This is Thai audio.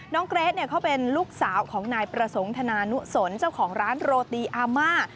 เกรทเขาเป็นลูกสาวของนายประสงค์ธนานุสนเจ้าของร้านโรตีอาม่า